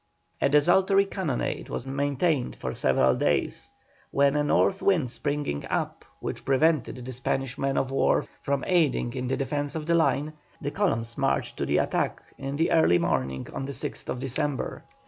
A desultory cannonade was maintained for several days, when a north wind springing up, which prevented the Spanish men of war from aiding in the defence of the line, the columns marched to the attack in the early morning of the 6th December.